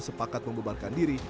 sepakat membebarkan diri